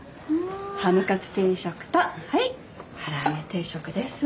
ハムカツ定食とはい唐揚げ定食です。